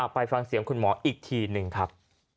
ไปฟังเสียงคุณหมออีกทีหนึ่งครับ